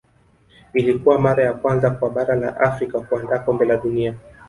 ilikuwa mara ya kwanza kwa bara la afrika kuandaa kombe la dunia